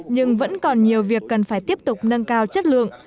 nhưng vẫn còn nhiều việc cần phải tiếp tục nâng cao chất lượng